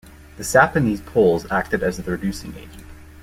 The sap in these poles acted as the reducing agent.